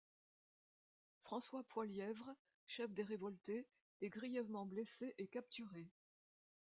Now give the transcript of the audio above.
François Poilièvre, chef des révoltés, est grièvement blessé et capturé.